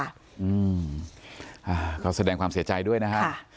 อืมอ่าเขาแสดงความเสียใจด้วยนะคะค่ะ